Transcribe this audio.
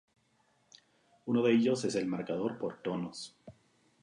Uno de ellos es el marcador por tonos.